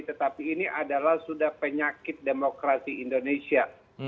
tetapi ini adalah sudah penyakit demokrasi indonesia